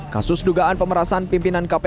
kasus dugaan pemerasan pimpinan kpk adalah saksi penting